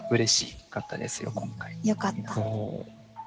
よかった。